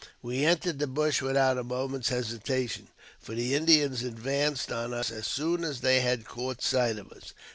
We entered the bush without a moment's hesitation, for the Indians ad vanced on us as soon as they had caught sight of us.